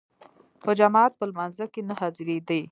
په جماعت په لمانځه کې نه حاضرېدی.